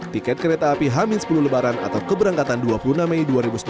tiket kereta api hamin sepuluh lebaran atau keberangkatan dua puluh enam mei dua ribu sembilan belas